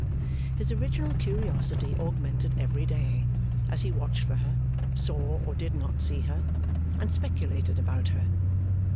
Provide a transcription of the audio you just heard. His original curiosity augmented every day, as he watched for her, saw or did not see her, and speculated about her.